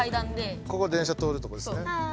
ここ電車通るとこですね。